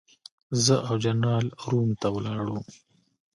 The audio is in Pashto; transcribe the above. زه او جنرال روم ته ولاړو.